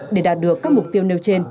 để đạt được các mục tiêu nêu trên